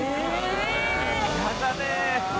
嫌だね！